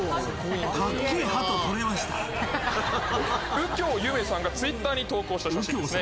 右京ゆめさんがＴｗｉｔｔｅｒに投稿した写真ですね。